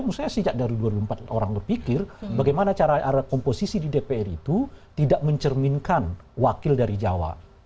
maksudnya sejak dari dua ribu empat orang berpikir bagaimana cara komposisi di dpr itu tidak mencerminkan wakil dari jawa